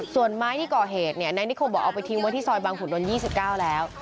ส่วนไม้ที่ก่อเหตุนายนิคมบอกเอาไปทิ้งไว้ที่ซอยบางขุนนท์๒๙แล้ว